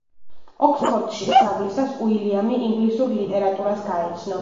ოქსფორდში სწავლისას უილიამი ინგლისურ ლიტერატურას გაეცნო.